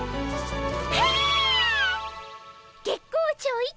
月光町一